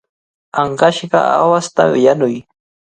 Ankashqa aawasta yanuy.